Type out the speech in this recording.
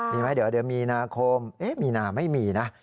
มีไหมเดี๋ยวมีนาคมมีนาไม่มีนะ